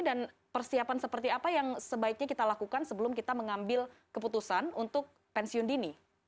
dan persiapan seperti apa yang sebaiknya kita lakukan sebelum kita mengambil keputusan untuk pensiun dini